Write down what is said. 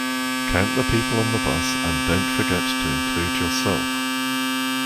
Count the people on the bus, and don't forget to include yourself.